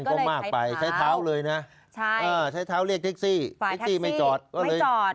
มันก็มากไปใช้เท้าเลยนะใช้เท้าเรียกเท็กซี่ไม่จอด